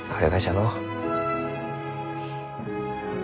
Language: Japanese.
のう？